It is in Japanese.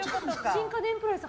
新家電プロレス